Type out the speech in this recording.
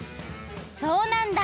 そうなんだ！